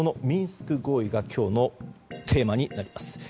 ミンスク合意が今日のテーマになります。